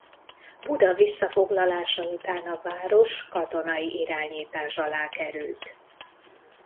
Buda visszafoglalása után a város katonai irányítás alá került.